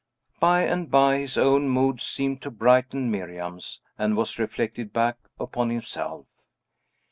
By and by, his own mood seemed to brighten Miriam's, and was reflected back upon himself.